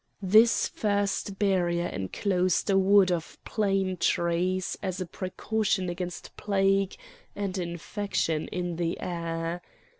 This first barrier enclosed a wood of plane trees as a precaution against plague and infection in the air.